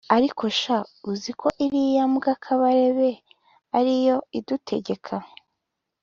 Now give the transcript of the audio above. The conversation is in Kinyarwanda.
“Ariko sha uziko iriya mbwa Kabarebe ari yo idutegeka